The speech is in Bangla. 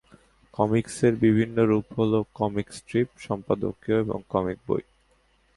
কমিকসের বিভিন্ন রূপ হলো কমিক স্ট্রিপ, সম্পাদকীয় এবং কমিক বই।